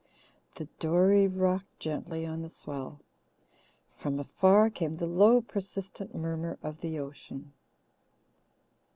The dory rocked gently on the swell. From afar came the low persistent murmur of the ocean.